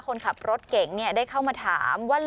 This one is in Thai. คนขับรถเก่งได้เข้ามาถามว่า